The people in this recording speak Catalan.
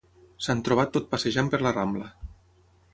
S'han trobat tot passejant per la Rambla.